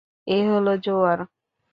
এ হলো জোয়ার।